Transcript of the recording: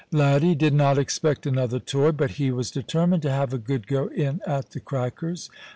Laddie did not expect another toy ; but he was determined to have a good go in at the crackers.